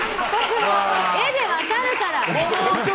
絵で分かるから！